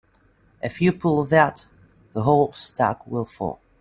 If you pull that the whole stack will fall.